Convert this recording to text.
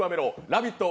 ラヴィット！